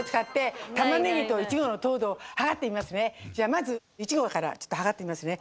じゃあまずいちごからちょっと測ってみますね。